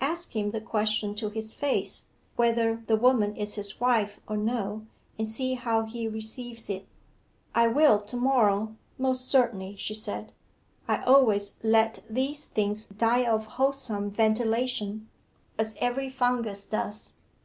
Ask him the question to his face, whether the woman is his wife or no, and see how he receives it.' 'I will to morrow, most certainly,' she said. 'I always let these things die of wholesome ventilation, as every fungus does.